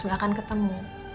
nggak akan ketemu